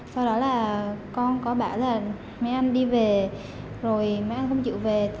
sau đó là con có bảo là mấy anh đi về rồi mấy anh không chịu về